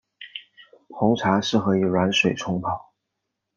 红茶适合以软水冲泡。